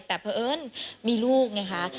แต่เพราะเอิ้นมีลูกไงคะ